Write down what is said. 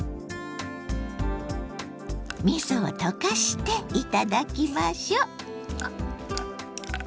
みそを溶かして頂きましょう！